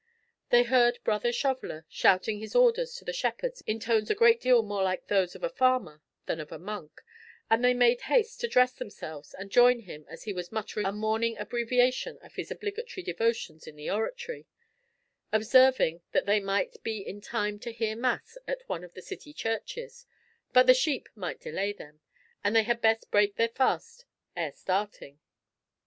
They heard Brother Shoveller shouting his orders to the shepherds in tones a great deal more like those of a farmer than of a monk, and they made haste to dress themselves and join him as he was muttering a morning abbreviation of his obligatory devotions in the oratory, observing that they might be in time to hear mass at one of the city churches, but the sheep might delay them, and they had best break their fast ere starting.